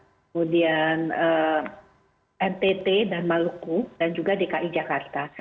kemudian ntt dan maluku dan juga dki jakarta